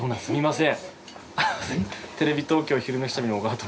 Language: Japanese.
すみません。